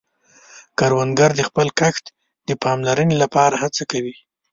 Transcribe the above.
کروندګر د خپل کښت د پاملرنې له پاره هڅه کوي